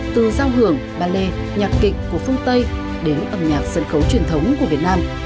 từ giao hưởng ballet nhạc kịch của phương tây đến âm nhạc sân khấu truyền thống của việt nam